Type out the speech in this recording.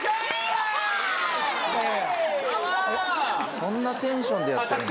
そんなテンションでやってる。